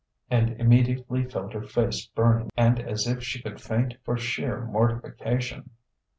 And immediately felt her face burning and as if she could faint for sheer mortification.